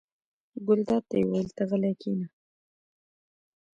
ګلداد ته یې وویل: ته غلی کېنه.